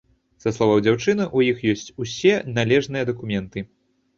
Са словаў дзяўчыны, у іх ёсць усе належныя дакументы.